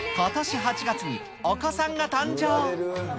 ことし８月にお子さんが誕生。